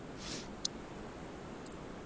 El resto de las naves fueron desechadas.